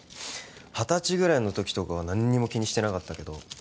二十歳ぐらいの時とかは何にも気にしてなかったけど